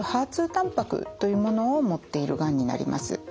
２たんぱくというものを持っているがんになります。